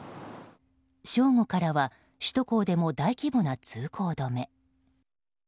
正午からは首都高でも大規模な通行止め。